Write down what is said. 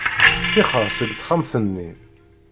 Ṭixer seg texxamt-nni.